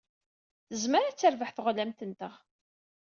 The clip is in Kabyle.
Tezmer ad terbeḥ teɣlamt-nteɣ.